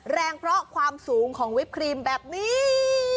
แรงเพราะความสูงของวิปครีมแบบนี้